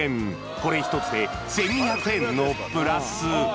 これ１つで１２００円のプラス。